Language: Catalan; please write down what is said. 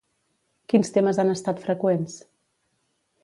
Quins temes han estat freqüents?